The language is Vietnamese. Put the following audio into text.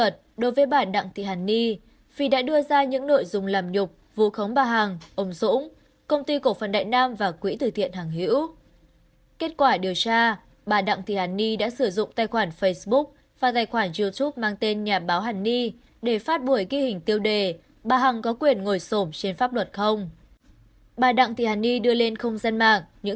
trong vụ án này bà nguyễn phương hằng công ty cổ phần đại nam quỹ tử thiện hàng hữu tỉnh bình dương được xác định là người có quyền lợi nghĩa vụ liên quan